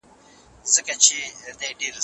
تشو شعارونو او میټینګونو هېواد ته زیان ورساوه.